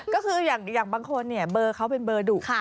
ก็คืออย่างบางคนเนี่ยเบอร์เขาเป็นเบอร์ดุ